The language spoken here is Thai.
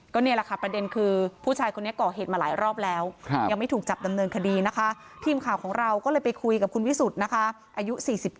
นี่แหละค่ะประเด็นคือผู้ชายคนนี้ก่อเหตุมาหลายรอบแล้วยังไม่ถูกจับดำเนินคดีนะคะทีมข่าวของเราก็เลยไปคุยกับคุณวิสุทธิ์นะคะอายุ๔๗